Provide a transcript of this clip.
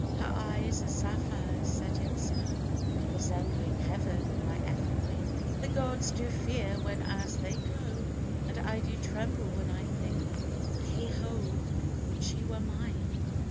Her eyes are sapphires set in snow, Resembling heaven by every wink; The Gods do fear whenas they glow, And I do tremble when I think Heigh ho, would she were mine!